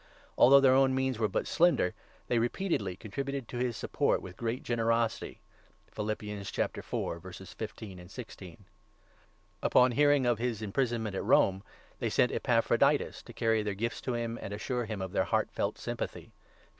Although their own means were but slender, they repeatedly contributed to his support with great generosity (Phil. 4. 15, 16). ) Upon hearing of his imprisonment at Rome, they sent Epaphroditus to carry their gifts to him, and to assure him of their heart felt sympathy (Phil.